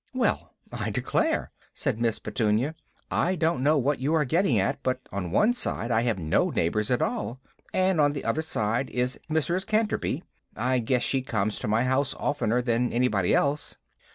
"Well, I declare!" said Miss Petunia. "I don't know what you are getting at, but on one side I have no neighbors at all, and on the other side is Mrs. Canterby. I guess she comes to my house oftener than anybody else."